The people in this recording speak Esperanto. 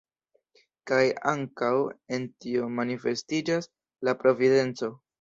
Kaj ankaŭ en tio manifestiĝas la Providenco.